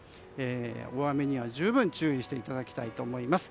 大雨には十分注意していただきたいと思います。